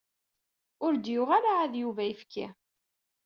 Ur d-yuɣ ara ɛad Yuba ayefki.